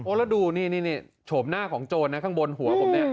แล้วดูนี่โฉมหน้าของโจรนะข้างบนหัวผมเนี่ย